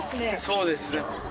そうですね。